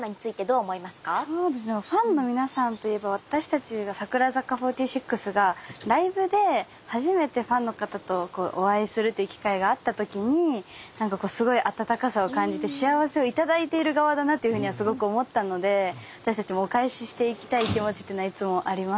そうですねファンの皆さんといえば私たちが櫻坂４６がライブで初めてファンの方とお会いするっていう機会があった時に何かこうすごい温かさを感じて幸せを頂いている側だなというふうにはすごく思ったので私たちもお返ししていきたい気持ちっていうのはいつもありますねはい。